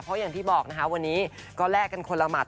เพราะอย่างที่บอกนะคะวันนี้ก็แลกกันคนละหมัด